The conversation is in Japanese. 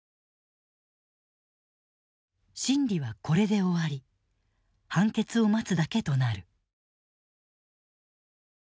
審理はこれで終わり判決を待つだけとなる。